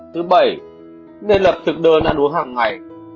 thứ bảy nên lập thực đơn ăn uống hàng ngày